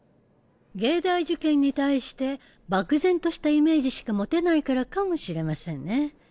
藝大受験に対して漠然としたイメージしか持てないからかもしれませんね。